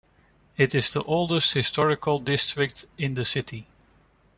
It is the oldest historical district in the city.